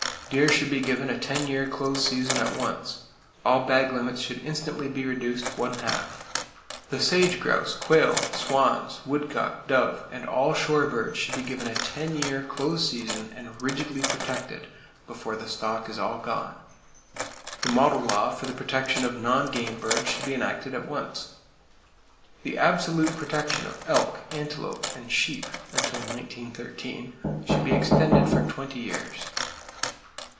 Deer should be given a ten year close season, at once. All bag limits should instantly be reduced one half. The sage grouse, quail, swans, woodcock, dove, and all shore birds should be given a ten year close season,—and rigidly protected,—before the stock is all gone. The model law for the protection of non game birds should be enacted at once. The absolute protection of elk, antelope and sheep (until 1913) should be extended for twenty years.